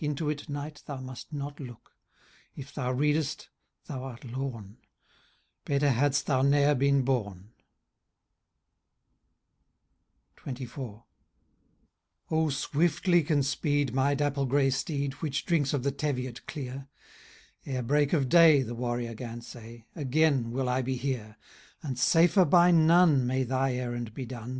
Into it. Knight, thou must not look ; If thou readest, thou art lorn ! Better had'st thou ne'er been bom." XXIV. •• O swiftly can speed my dapple grey steed. Which drinks of the Teviot clear ; Ere break of day," the Warrior 'gan say, ^ Again will I be here : Digitized by VjOOQIC 40 THB LAY OP Canto L A.nd safer by none may thy errand be done.